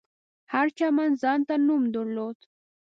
هر چمن ځانته نوم درلود.